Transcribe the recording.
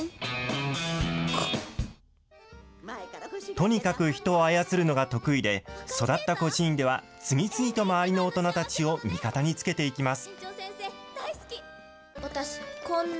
とにかく人を操るのが得意で、育った孤児院では、次々と周りの大人たちを味方につけていきます。